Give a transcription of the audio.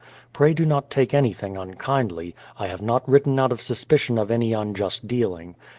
Pray do not take anything unkindly; I have not written out of suspicion of any unjust dealing.